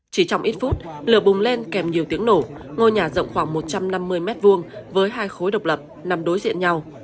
chỉ trong ít phút lửa bùng lên kèm nhiều tiếng nổ ngôi nhà rộng khoảng một trăm năm mươi m hai với hai khối độc lập nằm đối diện nhau